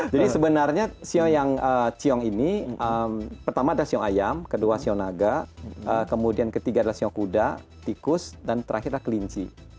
jadi sebenarnya sio yang ciong ini pertama ada sio ayam kedua sio naga kemudian ketiga adalah sio kuda tikus dan terakhir adalah kelinci